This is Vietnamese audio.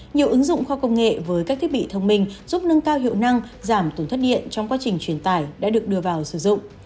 nhiều ứng dụng khoa công nghệ với các thiết bị thông minh giúp nâng cao hiệu năng giảm tổn thất điện trong quá trình truyền tải đã được đưa vào sử dụng